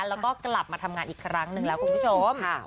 แล้วก็กลับมาทำงานอีกครั้งหนึ่งแล้วคุณผู้ชม